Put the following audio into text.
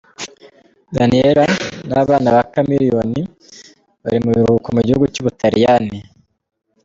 Daniella n’abana ba Chameleone bari mu biruhuko mu gihugu cy’ubutaliyani.